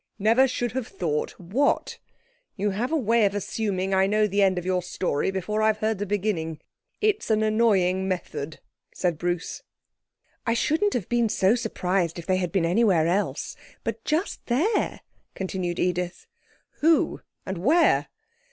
'Never should have thought what? You have a way of assuming I know the end of your story before I've heard the beginning. It's an annoying method,' said Bruce. 'I shouldn't have been so surprised if they had been anywhere else. But just there,' continued Edith. 'Who? and where?'